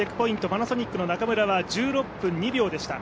パナソニックの中村は１６分２秒でした。